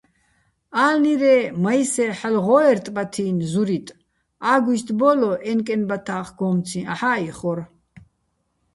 ა́ლნირეჼ მაჲსე ჰ̦ალო̆ ღო́ერ ტბათი́ნ, ზურიტ, ა́გვისტო̆ ბო́ლო, ე́ნკენბათთ ა́ხგო́მციჼ აჰ̦ა́ იხორ.